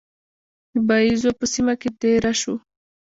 د باییزو په سیمه کې دېره شو.